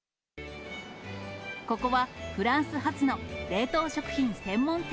ここは、フランス発の冷凍食品専門店。